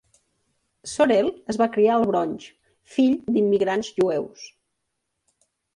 Sorel es va criar al Bronx, fill d'immigrants jueus.